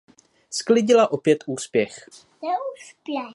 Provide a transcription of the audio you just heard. Sklidila opět úspěch.